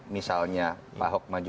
misalnya pak ahok maju